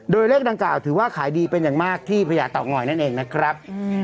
โดยเลขดังกล่าถือว่าขายดีเป็นอย่างมากที่พญาเตางอยนั่นเองนะครับ